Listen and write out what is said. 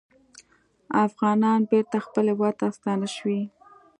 افغانان بېرته خپل هیواد ته ستانه شوي